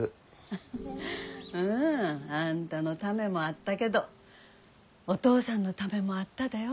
うん。あんたのためもあったけどお父さんのためもあっただよ。